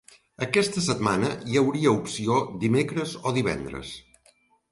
Aquesta setmana hi hauria opció dimecres o divendres.